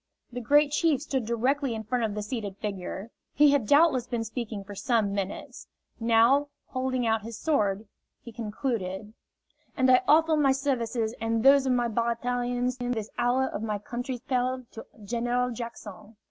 The Great Chief stood directly in front of the seated figure. He had doubtless been speaking for some minutes. Now, holding out his sword, he concluded: "And I offer my services and those of my Baratarians in this hour of my country's peril to General Jackson."